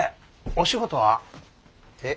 お仕事は？え？